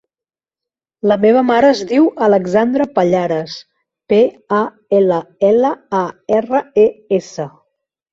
La meva mare es diu Alexandra Pallares: pe, a, ela, ela, a, erra, e, essa.